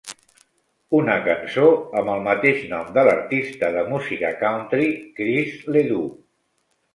Una cançó amb el mateix nom de l'artista de música country Chris LeDoux.